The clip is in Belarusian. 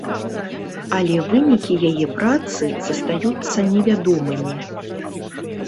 Але вынікі яе працы застаюцца невядомымі.